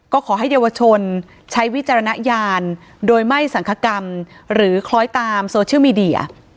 ก็ขอให้เยาวชนใช้วิจารณญาณโดยไม่สังคกรรมหรือคล้อยตามโซเชียลมีเดีย